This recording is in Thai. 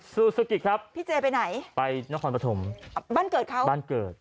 ซูซูกิครับพี่เจไปไหนไปนครปฐมบ้านเกิดเขาบ้านเกิด